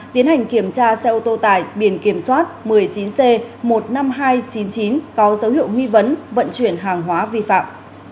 tiến hành kiểm tra xe ô tô tải biển kiểm soát một mươi chín c một mươi năm nghìn hai trăm chín mươi chín có dấu hiệu nghi vấn vận chuyển hàng hóa vi phạm